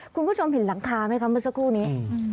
คุณผู้ชมเห็นหลังคาไหมคะเมื่อสักครู่นี้